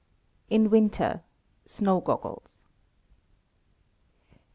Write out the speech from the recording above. In winter: Snow goggles.